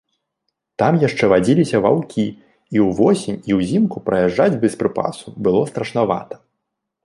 Там яшчэ вадзіліся ваўкі, і ўвосень і ўзімку праязджаць без прыпасу было страшнавата.